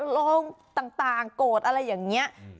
ลงต่างโกรธอะไรอย่างนี้